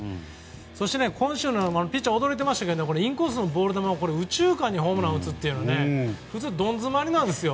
そして、この試合ピッチャー驚いてましたけどインコースのボール球を右中間にホームラン打つっていうのは普通どん詰まりなんですよ。